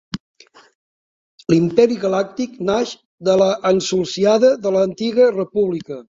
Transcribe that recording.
L'Imperi Galàctic naix de l'ensulsiada de l'Antiga República.